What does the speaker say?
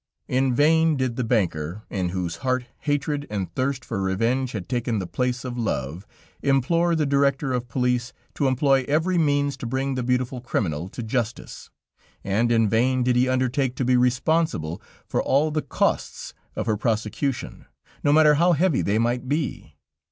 In vain did the banker, in whose heart hatred and thirst for revenge had taken the place of love, implore the Director of Police to employ every means to bring the beautiful criminal to justice, and in vain did he undertake to be responsible for all the costs of her prosecution, no matter how heavy they might be.